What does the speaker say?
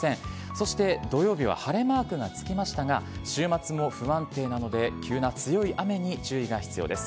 そして土曜日は晴れマークがつきましたが、週末も不安定なので、急な強い雨に注意が必要です。